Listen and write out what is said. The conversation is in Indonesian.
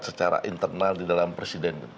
secara internal di dalam presiden